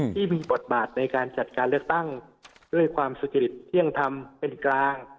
ที่มีบทบาทในการจัดการเลือกตั้งด้วยความสุจริตเที่ยงธรรมเป็นกลาง